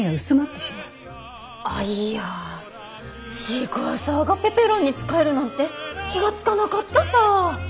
シークワーサーがペペロンに使えるなんて気が付かなかったさぁ！